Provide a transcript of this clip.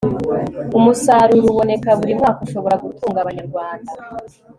umusaruro uboneka buri mwaka ushobora gutunga abanyarwanda